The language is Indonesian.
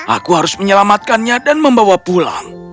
aku harus menyelamatkannya dan membawa pulang